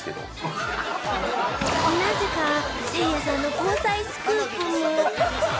なぜかせいやさんの交際スクープも